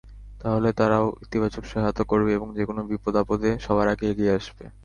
তাহলে তারাও ইতিবাচক সহায়তা করবে এবং যেকোনো বিপদ-আপদে সবার আগে এগিয়ে আসবে।